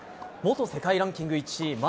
元世界ランキング１位